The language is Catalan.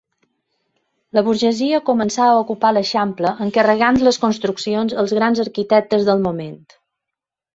La burgesia començà a ocupar l'Eixample, encarregant les construccions als grans arquitectes del moment.